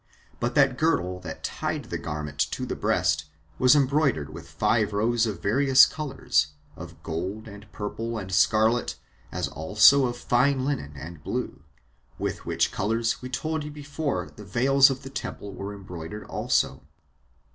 But that girdle that tied the garment to the breast was embroidered with five rows of various colors, of gold, and purple, and scarlet, as also of fine linen and blue, with which colors we told you before the veils of the temple were embroidered also.